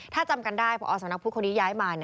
ถ้าจำกันได้พอสำนักพุทธคนนี้ย้ายมา